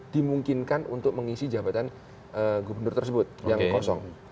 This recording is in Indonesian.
dimungkinkan untuk mengisi jabatan gubernur tersebut yang kosong